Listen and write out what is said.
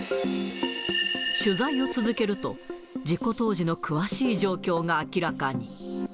取材を続けると、事故当時の詳しい状況が明らかに。